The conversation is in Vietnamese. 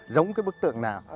giống cái bức tượng nào